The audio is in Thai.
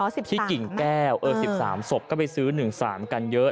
อ๋อสิบสามที่กิ่งแก้วเออสิบสามศพก็ไปซื้อหนึ่งสามกันเยอะ